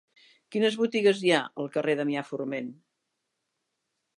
Quines botigues hi ha al carrer de Damià Forment?